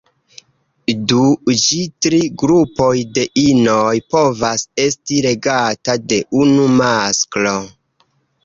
Du ĝi tri grupoj de inoj povas esti regata de unu masklo.